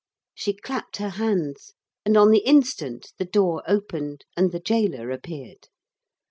She clapped her hands. And on the instant the door opened and the gaoler appeared.